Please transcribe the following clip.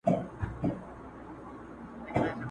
تر قیامته خو دي نه شم غولولای!!